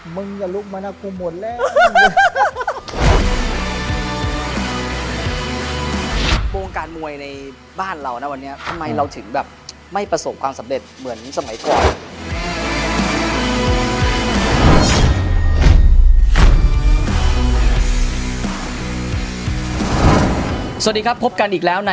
มึงอย่าลุกมานะผมหมดแล้ว